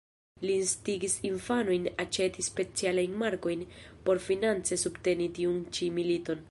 Li instigis infanojn aĉeti specialajn markojn por finance subteni tiun ĉi militon.